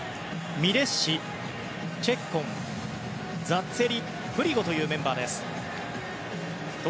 ミレッシ、チェッコンザッツェリ、フリゴというメンバーです。